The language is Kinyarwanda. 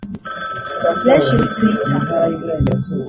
Benshi kuri Twitter